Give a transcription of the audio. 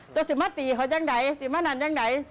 จะสิมาตีเขาจังไหนสิมานั่นยังไหน